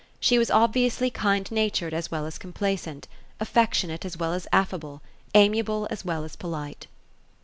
She was obviously kind natured, as well as complaisant ; affectionate as well as affable ; amiable as well as polite.